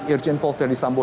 irjen paul ferdis sambo